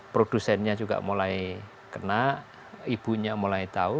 produsennya juga mulai kena ibunya mulai tahu